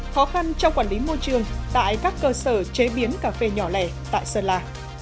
khó khăn trong quản lý môi trường tại các cơ sở chế biến cà phê nhỏ lẻ tại sơn la